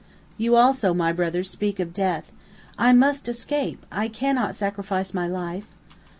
"You also, my brother, speak of death! I must escape I cannot sacrifice my life!"